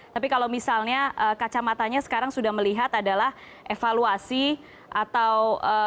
tapi kalau misalnya kacamatanya sekarang sudah melihat adalah evaluasi atau